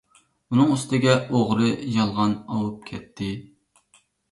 ئۈنىڭ ئۈستىگە ئوغرى - يالغان ئاۋۇپ كەتتى.